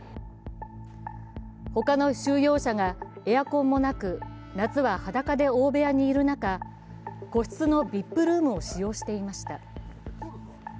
ほかの収容者がエアコンもなく夏は裸で大部屋にいる中、個室のＶＩＰルームを使用していました。